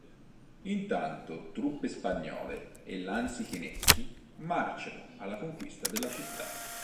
Intanto truppe spagnole e lanzichenecchi marciano alla conquista della città.